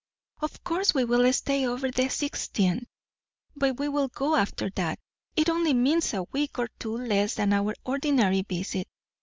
"Of course we will stay over the sixteenth, but we will go after that; it only means a week or two less than our ordinary visit.